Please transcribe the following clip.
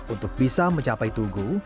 untuk bisa mencapai tugu